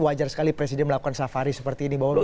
wajar sekali presiden melakukan safari seperti ini bahwa